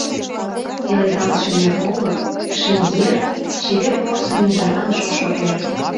Пеледалтше мӧр олык, ший ер, Чевер порсын ӱжаран шошо эр.